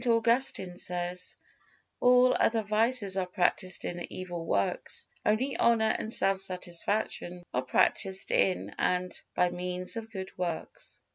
Augustine says: "All other vices are practised in evil works; only honor and self satisfaction are practised in and by means of good works."